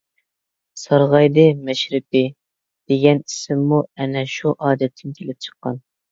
«سارغايدى مەشرىپى» دېگەن ئىسىممۇ ئەنە شۇ ئادەتتىن كېلىپ چىققان.